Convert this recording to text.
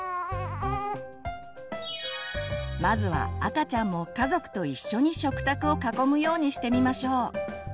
まずは赤ちゃんも家族と一緒に食卓を囲むようにしてみましょう。